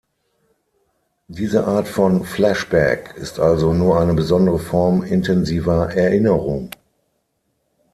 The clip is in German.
Diese Art von Flashback ist also nur eine besondere Form intensiver Erinnerung.